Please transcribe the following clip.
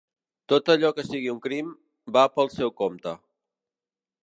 Tot allò que sigui un crim, va pel seu compte.